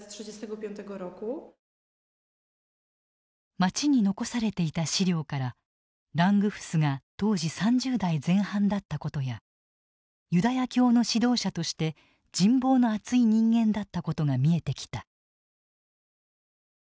町に残されていた資料からラングフスが当時３０代前半だったことやユダヤ教の指導者として人望の厚い人間だったことが見えてきた。